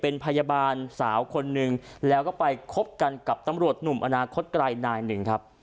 เป็นพยาบาลสาวคนหนึ่งแล้วก็ไปคบกันกับตำรวจหนุ่มอนาคตไกลนายหนึ่งครับ